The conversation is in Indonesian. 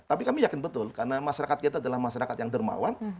tapi kami yakin betul karena masyarakat kita adalah masyarakat yang dermawan